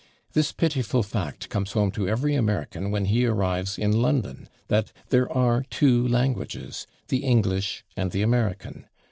This pitiful fact comes home to every American when he arrives in London that there are two languages, the English and the American.